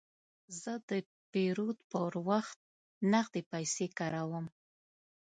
زه د پیرود پر وخت نغدې پیسې کاروم.